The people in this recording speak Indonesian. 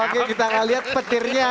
oke kita akan lihat petirnya